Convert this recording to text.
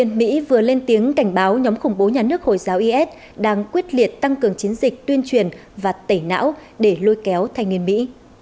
tuy nhiên mỹ vừa lên tiếng cảnh báo nhóm khủng bố nhà nước hồi giáo is đang quyết liệt tăng cường chiến dịch tuyên truyền và tẩy não để lôi kéo thanh niên mỹ